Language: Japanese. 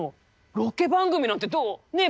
ロケ番組なんてどう？ねえ？